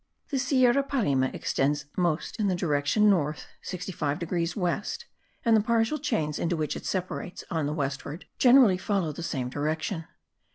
The Sierra Parime extends most in the direction north 85 degrees west and the partial chains into which it separates on the westward generally follow the same direction.